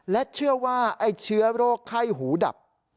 และเชื่อว่าไอ้เชื้อโรคไข้หูดับ